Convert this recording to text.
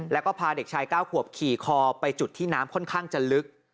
แล้วก็พาเด็กชาย๙ขวบขี่คอไปจุดที่น้ำค่อนข้างจะลึก